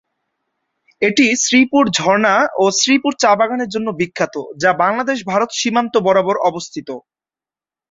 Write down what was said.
এটি শ্রীপুর ঝরনা ও শ্রীপুর চা বাগানের জন্য বিখ্যাত, যা বাংলাদেশ-ভারত সীমান্ত বরাবর অবস্থিত।